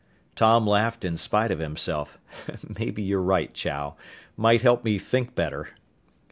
Tom laughed in spite of himself. "Maybe you're right, Chow. Might help me think better."